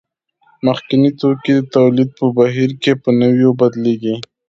مخکیني توکي د تولید په بهیر کې په نویو بدلېږي